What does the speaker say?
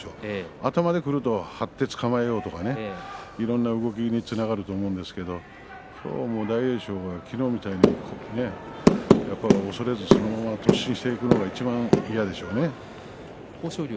頭でくると張ってつかまえようとかいろんな動きにつながっていくと思いますけれど大栄翔は昨日みたいにそのまま突進していくのがいちばん嫌でしょうね、豊昇龍は。